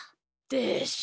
でしょ？